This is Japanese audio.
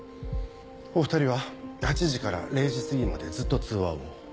お２人は８時から０時すぎまでずっと通話を？